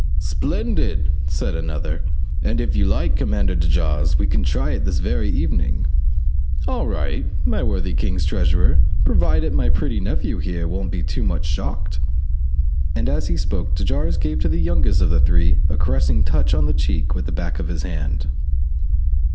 "Splendid!" said another; "and if you like, Commander de Jars, we can try it this very evening." "All right, my worthy king's treasurer, provided my pretty nephew here won't be too much shocked," and as he spoke de Jars gave to the youngest of the three a caressing touch on the cheek with the back of his hand.